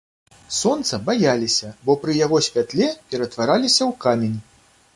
Сонца баяліся, бо пры яго святле ператвараліся ў камень.